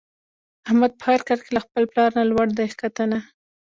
احمد په هر کار کې له خپل پلار نه لوړ دی ښکته نه.